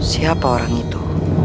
siapa orang itu